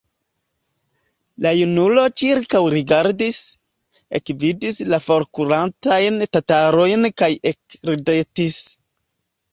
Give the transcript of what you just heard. La junulo ĉirkaŭrigardis, ekvidis la forkurantajn tatarojn kaj ekridetis.